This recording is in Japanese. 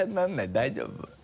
大丈夫？